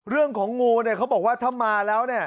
เรื่องของงูเนี่ยเขาบอกว่าถ้ามาแล้วเนี่ย